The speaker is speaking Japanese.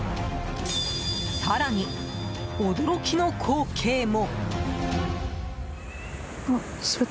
更に、驚きの光景も。